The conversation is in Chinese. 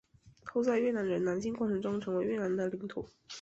后在越南人南进过程中成为越南的领土。